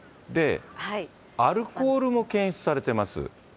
アルコールも検出されています。